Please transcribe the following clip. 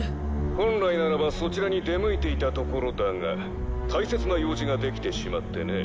「本来ならばそちらに出向いていたところだが大切な用事ができてしまってね」